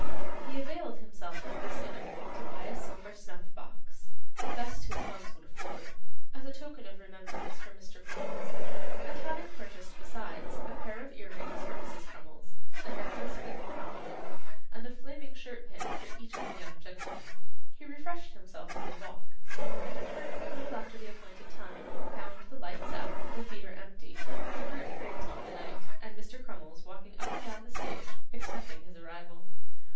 He availed himself of this interval to buy a silver snuff box the best his funds would afford as a token of remembrance for Mr. Crummles, and having purchased besides a pair of ear rings for Mrs. Crummles, a necklace for the Phenomenon, and a flaming shirt pin for each of the young gentlemen, he refreshed himself with a walk, and returning a little after the appointed time, found the lights out, the theatre empty, the curtain raised for the night, and Mr. Crummles walking up and down the stage expecting his arrival.